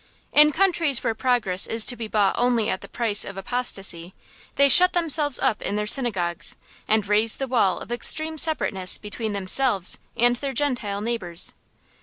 In countries where progress is to be bought only at the price of apostasy, they shut themselves up in their synagogues, and raise the wall of extreme separateness between themselves and their Gentile neighbors.